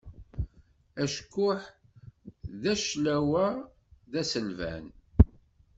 Acekkuḥ d aclawa,d aselban.